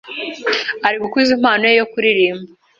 ari gukuza Impano ye yo kuririmba